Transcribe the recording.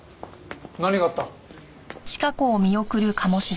何があった？